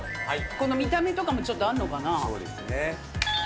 この見た目とかも、ちょっとそうですね。